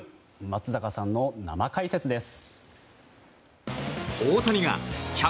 松坂さんの生解説です。